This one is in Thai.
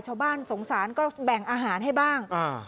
ชาวบ้านสงสารก็แบ่งอาหารให้บ้าง